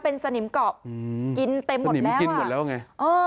เป็นสนิมเกาะกินเต็มหมดแล้วกินหมดแล้วไง